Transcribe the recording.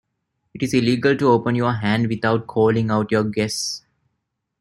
It is illegal to open your hand without calling out your guess.